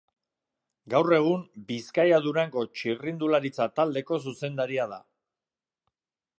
Gaur egun, Bizkaia-Durango txirrindularitza-taldeko zuzendaria da.